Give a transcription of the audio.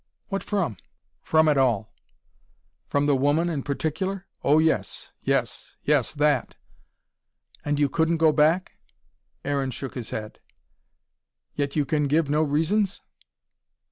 "What from?" "From it all." "From the woman in particular?" "Oh, yes. Yes. Yes, that." "And you couldn't go back?" Aaron shook his head. "Yet you can give no reasons?"